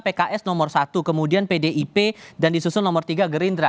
pks nomor satu kemudian pdip dan disusun nomor tiga gerindra